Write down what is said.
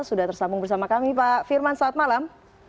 sudah tersambung bersama kami pak firman selamat malam